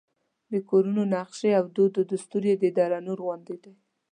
د کورونو نقشې او دود دستور یې د دره نور غوندې دی.